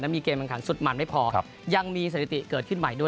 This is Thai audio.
มีเกมสุดมันไม่พอยังมีเศรษฐีเกิดขึ้นใหม่ด้วย